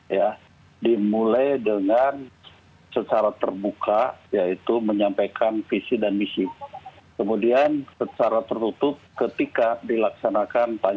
jenderal andika perkasa